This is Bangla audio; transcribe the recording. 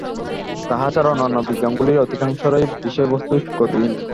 তাহা ছাড়া অন্যান্য বিজ্ঞানগুলির অধিকাংশেরই বিষয়বস্তু গতিহীন, স্থির।